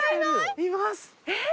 います！